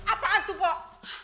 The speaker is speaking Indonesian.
apaan tuh pak